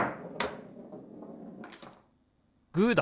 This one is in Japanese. グーだ！